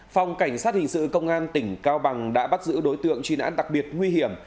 phòng cảnh sát hình sự công an tỉnh cao bằng đã bắt giữ đối tượng truy nãn đặc biệt nguy hiểm